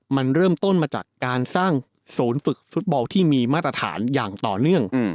มันเริ่มต้นมาจากการสร้างศูนย์ฝึกฟุตบอลที่มีมาตรฐานอย่างต่อเนื่อง